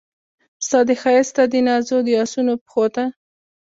ستا د ښایست ستا دنازونو د اسونو پښو ته